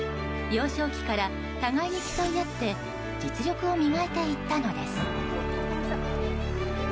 幼少期から互いに競い合って実力を磨いていったのです。